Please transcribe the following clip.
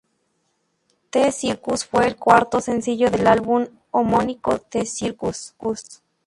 The Circus fue el cuarto sencillo del álbum homónimo The Circus.